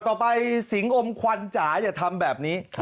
ต่อไปสิงอมควันจ๋าอย่าทำแบบนี้